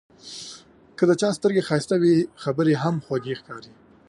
که د چا سترګې ښایسته وي، خبرې یې هم خوږې ښکاري.